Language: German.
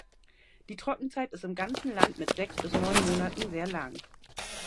Die Trockenzeit ist im ganzen Land mit sechs bis neun Monaten sehr lang.